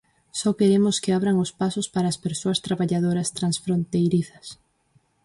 Só queremos que abran os pasos para as persoas traballadoras transfronteirizas.